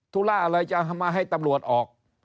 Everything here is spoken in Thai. ธุระอะไรจะมาให้ตำรวจออก